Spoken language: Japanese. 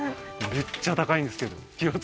めっちゃ高いんですけどああー